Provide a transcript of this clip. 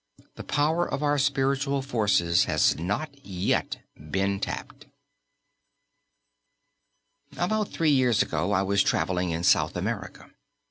The power of our spiritual forces has not yet been tapped. About three years ago I was travelling in South America.